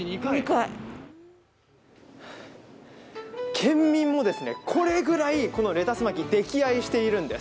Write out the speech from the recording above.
県民も、これぐらいレタス巻きを溺愛してるんです。